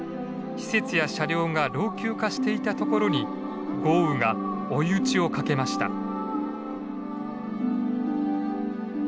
施設や車両が老朽化していたところに豪雨が追い打ちをかけました。